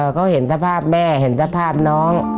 เขาเห็นสภาพแม่เห็นสภาพน้อง